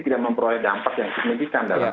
tidak memperoleh dampak yang signifikan dalam